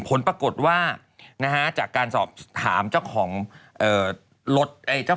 ผลปรากฏว่าจากการสอบถามเจ้าของรถ